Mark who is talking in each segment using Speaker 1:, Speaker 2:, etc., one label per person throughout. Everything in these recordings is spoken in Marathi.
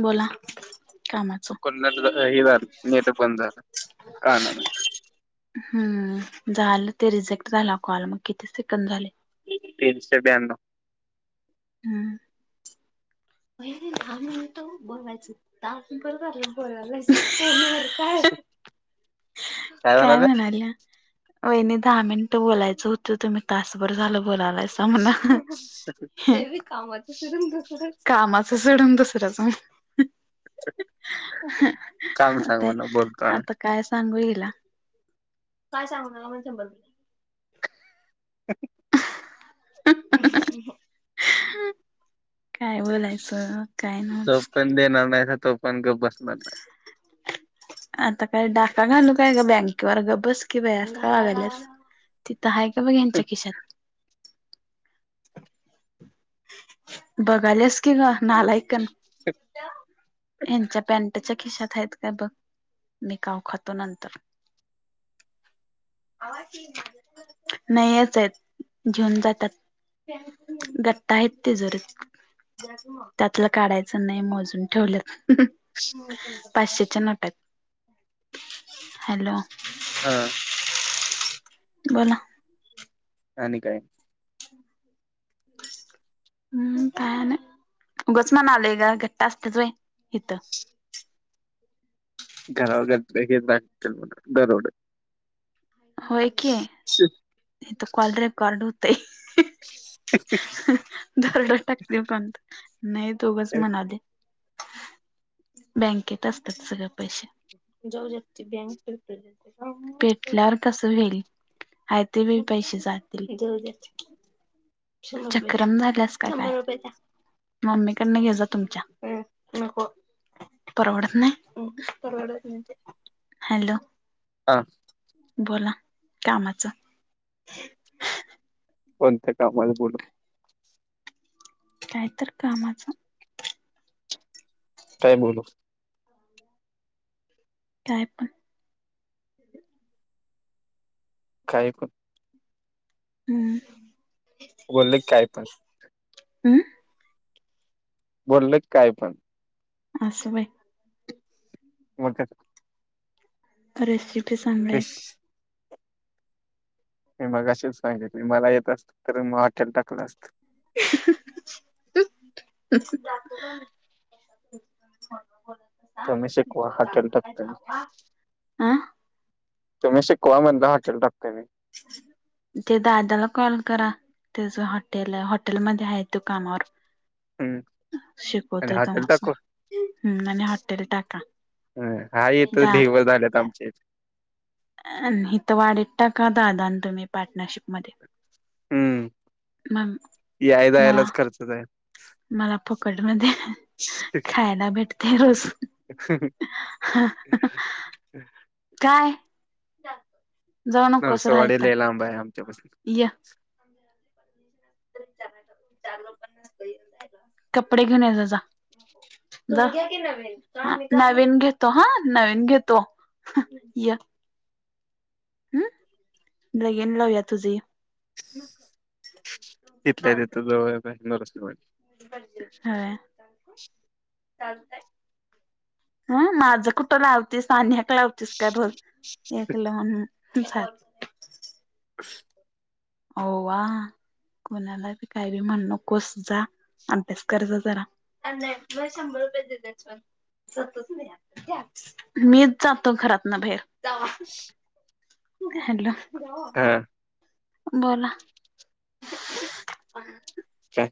Speaker 1: बोला. कामाच
Speaker 2: चुकून ते हे झालं नेट बंद झालं कानान.
Speaker 1: हम्म झालं ते रिजेक्ट झालं. कॉल मग किती सेकंद झाले‌.
Speaker 2: तीनशे ब्यानव.
Speaker 1: हम. वहिनी पहिले तर दहा मिनिटं बोलायचं होतं. तास भर झालं बोलायलासा फोन वर. काय काय म्हणाल्या. वहिणी दहा मिनिटं बोलायचं होतं. तुम्ही तासभर झालं बोलालायसा म्हणा. ते बी कामाचं सोडून दुसरच, कामाचं सोडून दुसरंच.
Speaker 2: काम सांग म्हणा बोलता
Speaker 1: आता. काय सांगू हिला.
Speaker 2: [inaudible]
Speaker 1: काय बोलायचं काय
Speaker 2: झोप
Speaker 1: नव्हच.
Speaker 2: पण देणार नाही तो, पण गप्प बसणार नाही.
Speaker 1: आता काय डाका घालू काय गं, बँकेवर गप्प बस कि बाई असं काय वागाल्यास. तिथं हाय का बघ हेच्या खिशात. बघालेस की गं नालायकण. ह्याच्या पॅनटच्या खिशात आहेत का बघ. काव खातो नंतर. नाहीच येत घेऊन जात्यात. गट्टा आहेत तिजोरीत त्यातलं काढायचं नाही मोजून ठेवल्यात. पाचशेच्या नोटा येत हॅलो.
Speaker 2: हा.
Speaker 1: बोला.
Speaker 2: आणि काय.
Speaker 1: काय नाय. उगच म्हणालोय गं, घट्ट असत्यात व्हयं इथं.
Speaker 2: घरावर [unintelligible] दरोड.
Speaker 1: होय की
Speaker 2: दरोडे
Speaker 1: इथं कॉल रेकॉर्ड होतंय.
Speaker 2: [inaudible]
Speaker 1: दरोड टाकतील कोण पण नाहीतर उगाच म्हणायले. बँकेत असतात सगळे पैसे. भेटल्यावर कसं होईल. आहे ते बी पैसे जातील. चक्रम झालंस का काय. मम्मीकडन घे जा तुमच्या. परवडत नाय.
Speaker 2: हां.
Speaker 1: बोला कामाच.
Speaker 2: कोणते कामच बोलु.
Speaker 1: काहीतर कामाचं.
Speaker 2: काय बोलू.
Speaker 1: काय पण.
Speaker 2: काही पण.
Speaker 1: हम्म.
Speaker 2: बोलले काय पण.
Speaker 1: हमं.
Speaker 2: बोललो की काय पण.
Speaker 1: अस स होय.
Speaker 2: म काय.
Speaker 1: रेसिपी सांगय.
Speaker 2: विश मी मगाशीच सांगितली मला येत असत तर मग हॉटेल टाकलं असत‌.
Speaker 1: [inaudible]
Speaker 2: तुम्ही शिकवा हॉटेल टाकतो.
Speaker 1: अ
Speaker 2: तुम्ही शिकवा म्हणटल हॉटेल टकतो मी.
Speaker 1: ते दादाला कॉल करा. त्याच हॉटेल आहे हॉटेलमध्ये आहे तो कामावर.
Speaker 2: मी आणि
Speaker 1: शिकवतोय
Speaker 2: हॉटेल टाकून
Speaker 1: तुम्हासनी. हम्म हॉटेल टाका
Speaker 2: अ, हा येत
Speaker 1: दा
Speaker 2: ढेवर झाल्यात आमच्या इथे
Speaker 1: अ हिथं वाढीत टाका दादा तुम्ही पार्टनरशिप मध्ये.
Speaker 2: हम्म. याय जायलाच खर्च जाईल.
Speaker 1: [unintelligible] मला फुकट मध्ये. खायला भेटते रोज.
Speaker 2: [inaudible]
Speaker 1: काय. जाऊ
Speaker 2: नरसोवाडी लय लांबा आहे आमच्यापसन.
Speaker 1: या. [inaudible] कपडे घेऊन ये जा. नवी घेतो हा नवीन घेतो. ये. हम् लगीन लावूया तुझी ये.
Speaker 2: तिथल्या तिथ जवळ नरूसवाडी.
Speaker 1: हा चालतंय. ह माझं कुठं लावतेस अ्याक लावतीस का र एकलं म्हण.
Speaker 2: अस
Speaker 1: ओ वा कोणाला बी काही बी म्हणून नकोस जा. अभ्यास कराजा जरा. मीच जातो घरात न बाहेर. हॅलो.
Speaker 2: हां.
Speaker 1: बोला
Speaker 2: काय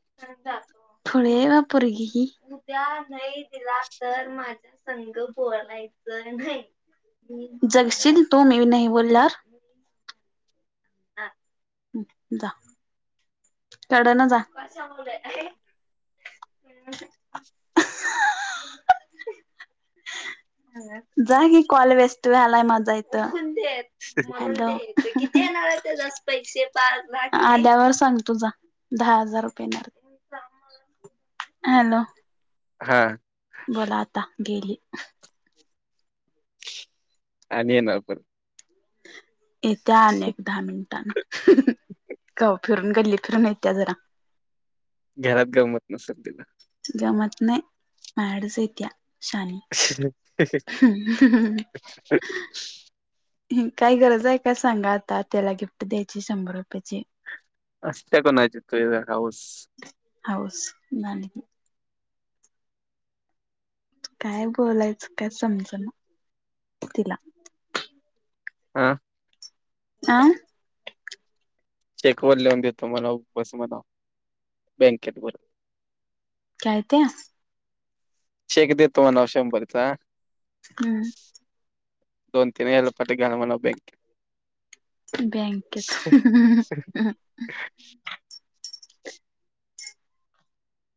Speaker 1: थोडी आहे वा पोरगी ही. जगशील तू मी नाही बोल्यावर? ह हा हम्म जा. कड ना जा. [unintelligible] जा की कॉल वेस्ट झालाय माझा इथं. अदो म किती येणार आहे त्याजाच पैशे पाच दहा [unintelligible] आल्यावर सांग. तुझा दहा हजार रुपये येणार. हॅलो.
Speaker 2: हा.
Speaker 1: बोला आता गेली.
Speaker 2: आणि येणार पर.
Speaker 1: येत्या अन एक क दहा मिनिटाने. काव फिरून गल्ली फिरून येत्या जरा.
Speaker 2: घरात गंमत नसल त्याला.
Speaker 1: गमत नाही मॅडस आहे त्या शानी.
Speaker 2: [unintelligible]
Speaker 1: [unintelligible]
Speaker 2: [unintelligible]
Speaker 1: हम्म काही गरज आहे काय सांगा आता त्याला गिफ्ट द्यायची शंभर रुपयाची.
Speaker 2: असत्या कोणाची तुझ्यासारखं हौस.
Speaker 1: हौस नाणी की. काय बोलायचं काय समजे ना तिला.
Speaker 2: हा.
Speaker 1: आं
Speaker 2: चेक वर लिहून देतो म्हणाव बस म्हणाव बँकेेत भर
Speaker 1: काय त्या
Speaker 2: चेक देेतो म्हणाव शंभरचा.
Speaker 1: हम्म.
Speaker 2: दोन तीन वेळा पाठी घ्यालव म्हणाव बँक.
Speaker 1: बँकेत
Speaker 2: [unintelligible]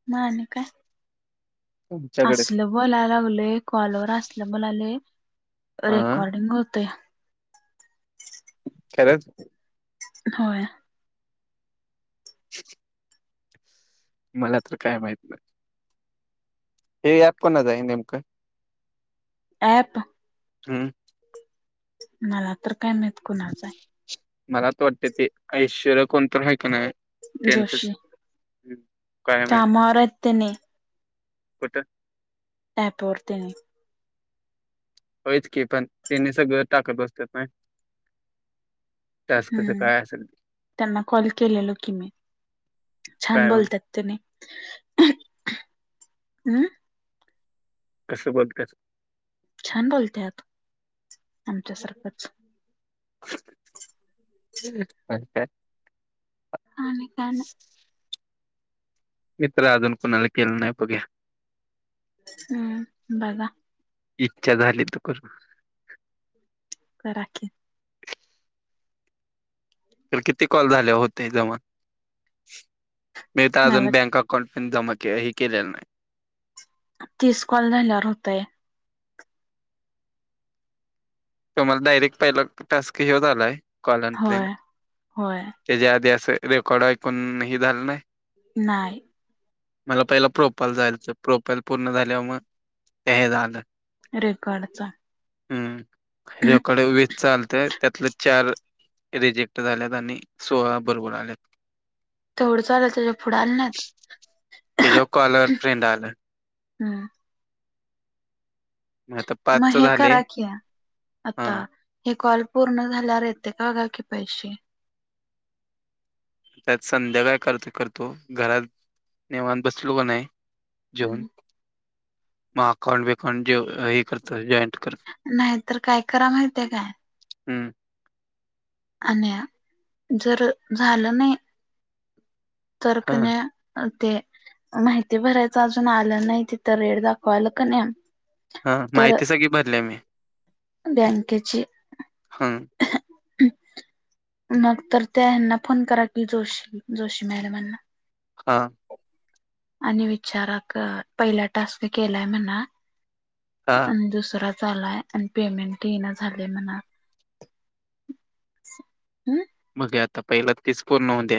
Speaker 1: म आणि काय
Speaker 2: [unintelligible]
Speaker 1: असलं बोलाय लागलोय कॉलवर असलं बोलायलो.
Speaker 2: हा
Speaker 1: रेकॉर्डिंग होते.
Speaker 2: खरंच
Speaker 1: होय.
Speaker 2: [inaudible] मला तर काय माहित नाही. हे अँप कोणाच आहे नेमकं?
Speaker 1: ॲप
Speaker 2: हम्म.
Speaker 1: मला तर काय माहित कोणाच आहे.
Speaker 2: मला तर वाटते ते ऐश्वर्या कोणतर हाय का नाही
Speaker 1: आहे
Speaker 2: त्यांचच
Speaker 1: जोशी कामावर हाईत तेनी.
Speaker 2: कुठं?
Speaker 1: ॲप वरती.
Speaker 2: होच की पण त्यांनी सगळं टाकत बसतात नाही.
Speaker 1: हम्म.
Speaker 2: काय असेल ते,
Speaker 1: त्यांना कॉल केलेलो की मी छान
Speaker 2: काय म्हण
Speaker 1: बोलत्यात. तेनी, अं?
Speaker 2: कसं बोलत्यात?
Speaker 1: छान बोलत्यात आमच्या सारखंच.
Speaker 2: [unintelligible] काय काय?
Speaker 1: आणि काय नाय.
Speaker 2: मी तर अजून कोणाला केलो नाही बघुया.
Speaker 1: हम्म बघा.
Speaker 2: इच्छा झाली तर करू.
Speaker 1: करा की.
Speaker 2: तर किती कॉल झाले होते जमा? मी तर अजून
Speaker 1: मला
Speaker 2: बँका कॉल फीन जमा के हे केलेलं नाही.
Speaker 1: तिस कॉल झाल्यावर होतंय.
Speaker 2: तुम्हाला डायरेक्ट पहिला टास्क ह्योच आलाय?
Speaker 1: होय होय.
Speaker 2: त्याच्या आधी असं रेकॉर्ड ऐकून ही झालं नाही
Speaker 1: नाय.
Speaker 2: मला पहिला प्रोफाइलच आलेल, प्रोफाइल पूर्ण झाल्यावर मग ते हेज आलं.
Speaker 1: रेकॉर्डचा.
Speaker 2: हम्म रेकॉर्ड विथ चालतंय. त्यातलं चार रिजेक्ट झाल्यात आणि सोळा बरोबर आल्यात.
Speaker 1: तेवढंच आलं त्याच्या पुढं आलं नाहीत?
Speaker 2: त्याच्यावर कॉलर फ्रेंड आलं.
Speaker 1: हम्म.
Speaker 2: मग आता
Speaker 1: मग
Speaker 2: पाचच
Speaker 1: हे
Speaker 2: झाले
Speaker 1: करा की
Speaker 2: हा
Speaker 1: आता हे कॉल पूर्ण झाल्यावर येतंय का बघा की पैसे.
Speaker 2: त्यात संध्या कायतर करतो करतो घरात निंवात बसलो का नाय जेऊन,
Speaker 1: हम्म
Speaker 2: मग अकाउंट बिकाउंट जा हे करतो जॉईंट करतो.
Speaker 1: नाही तर काय करा माहितीये काय?
Speaker 2: हम्म.
Speaker 1: आणि जर झालं नाही तर
Speaker 2: हा
Speaker 1: कनई ते माहिती भरायचं अजून आलं नाही तिथं रेड दाखवालं कनई
Speaker 2: हा
Speaker 1: तर
Speaker 2: माहिती सगळी भरल्या मी
Speaker 1: बँकेची
Speaker 2: हम.
Speaker 1: नंतर त्याहेना फोन करा की जोशी जोशी मॅडमांना यांना.
Speaker 2: हा‌‌.
Speaker 1: आणि विचारक पहिला टास्क केलाय म्हणा.
Speaker 2: हा.
Speaker 1: आणि दुसरा झालाय आणि पेमेंट ये ना झालेय म्हणा. हम्म.
Speaker 2: मग आता पहिलं तीच पूर्ण होऊ द्या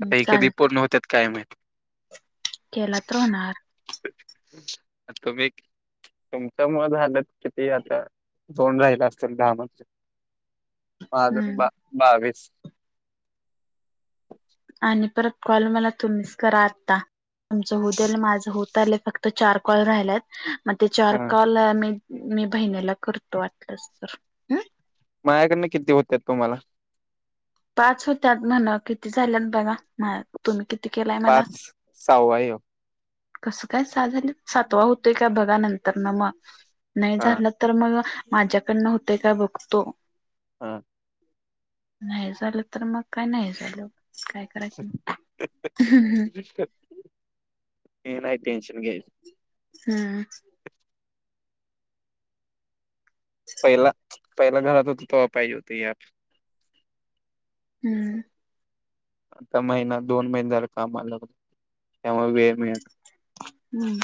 Speaker 1: हम्म
Speaker 2: इ कधी
Speaker 1: चालतं
Speaker 2: पूर्ण होतत काय माहिती.
Speaker 1: केला तर होणार.
Speaker 2: [inaudible] कमी तुमच्या मुळय झालं किती आता दोन राहिला असतील काम.
Speaker 1: [inaudible]
Speaker 2: माझं बा -बावीस.
Speaker 1: आणि परत कॉल मला तुम्हीच करा आता तुमचं होतल माझं होत आलं फक्त ते चार कॉल राहिल्यात आन ते चार
Speaker 2: हा
Speaker 1: कॉल मी मी बहिणीला करतो वाटलंच तर. हम्म
Speaker 2: माझ्याकडन किती होत्यात तुम्हाला.
Speaker 1: पाच होत्यात म्हणा किती झाल्या बघा. म तुम्ही किती केलाय मला?
Speaker 2: पाच सहावा आहे ह्यो
Speaker 1: कसं काय सा झालं सातवा होतोय का बघा नंतर ना मग नाही
Speaker 2: हा
Speaker 1: झालं तर मग माझ्याकडनं होते काय बघतो.
Speaker 2: हा.
Speaker 1: नाही झालं तर मग काय नाही झालं काय. [inaudible]
Speaker 2: ते नाही टेन्शन घ्यायचं.
Speaker 1: हम्म.
Speaker 2: पहिला पहिला घरात होत तवा पाहिजे होत यार.
Speaker 1: हम्म.
Speaker 2: आता महिना दोन महिन झालं कामाला लागून त्यामुळे वेळ मिळेना.
Speaker 1: हम्म.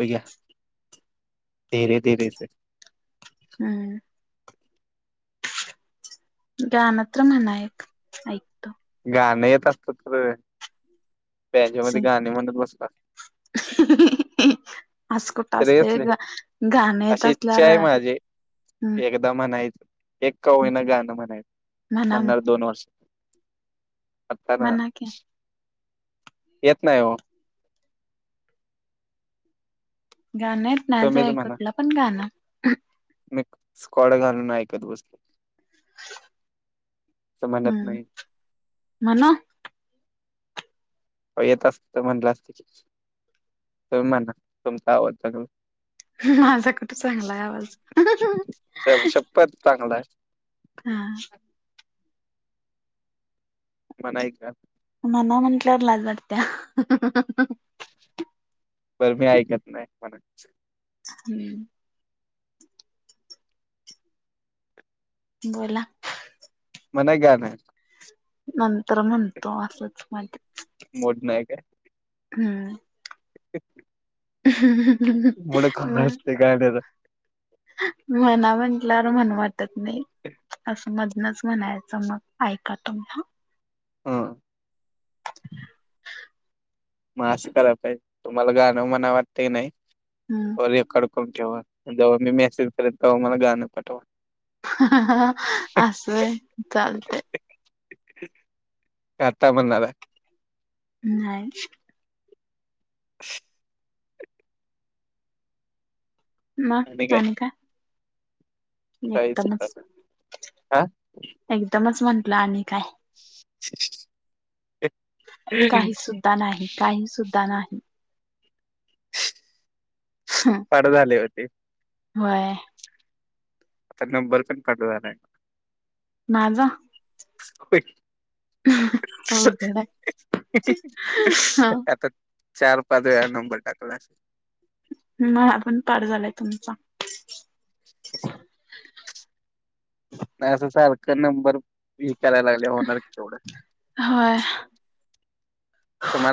Speaker 2: हे घ्या तेरे तेरे से.
Speaker 1: हम्म. गाणं तर म्हणा एक ऐक
Speaker 2: गाणे येत असतात तर त्याच्यामध्ये
Speaker 1: सिंग
Speaker 2: गाणे म्हणत बसत असत.
Speaker 1: [inaudible] असं कुठं
Speaker 2: तर
Speaker 1: असतंय
Speaker 2: असले
Speaker 1: व्हय र गाणे येत
Speaker 2: अशी इच्छा
Speaker 1: असल्यावर
Speaker 2: आहे माझी एकदा म्हणायचं एक काईन गाणं म्हणायचं
Speaker 1: म्हणा मग
Speaker 2: म्हणणार दोन वर्ष. अता ना
Speaker 1: म्हणा की
Speaker 2: येत नाही हो.
Speaker 1: गाणं येत नाही
Speaker 2: तुम्हीच
Speaker 1: व्हय
Speaker 2: म्हणा
Speaker 1: कुठलं पण गाणं.
Speaker 2: मी स्कॉड घालून ऐकत बसलो. तसं म्हणत
Speaker 1: हम्
Speaker 2: नाही
Speaker 1: म्हना.
Speaker 2: येत असतं तर म्हटलं असतं की तुम्ही म्हणा तुमचा आवाज चांगला आहे.
Speaker 1: माझा कुठे चांगलाय आवाज.
Speaker 2: पण चांगला आहे.
Speaker 1: हा.
Speaker 2: पण ऐक ना.
Speaker 1: म्हणा म्हंटल्यावर लाज वाटत्या.
Speaker 2: बर मी ऐकत नाही कुणाचं.
Speaker 1: हम्म. बोला.
Speaker 2: म्हणा की गाणं.
Speaker 1: नंतर म्हणतो असंच मा [unintelligible]
Speaker 2: मूड नाय का.
Speaker 1: हम्म.
Speaker 2: [inaudible]
Speaker 1: [inaudible]
Speaker 2: मुडक
Speaker 1: म
Speaker 2: [unintelligible]
Speaker 1: म्हणा म्हटल्यावर म्हणू वाटत नाही. असं मधनच म्हणायचं मग ऐका तुमही.
Speaker 2: हा. म असं कराय पाहिजे तुम्हाला गाणं मना वाटतं नाही.
Speaker 1: हम्म.
Speaker 2: रेकॉर्ड करून ठेवा जेव्हा मी मेसेज करेल तेव्हा मला गाणं पाठवा.
Speaker 1: ह अस व्हय चालतय.
Speaker 2: आता म्हणणार आहे.
Speaker 1: नाय.
Speaker 2: [inaudible]
Speaker 1: मग आणि काय?
Speaker 2: काहीच
Speaker 1: एकदमच
Speaker 2: हा
Speaker 1: एकदमच म्हटलं आणि काय.
Speaker 2: [inaudible]
Speaker 1: काही सुद्धा नाही काही सुद्धा नाही. हा.
Speaker 2: पाठ झाले वाटतं‌.
Speaker 1: व्हय.
Speaker 2: [unintelligible]
Speaker 1: माझा.
Speaker 2: [unintelligible]
Speaker 1: अवघड आहे हा
Speaker 2: [unintelligible] चार पाच वेळा नंबर टाकलाय.
Speaker 1: मला पण पाठ झालाय तुमचा.
Speaker 2: नाही असं सारख नंबर विचारायला होणारच की एवढा.
Speaker 1: होय.
Speaker 2: तुम्हाला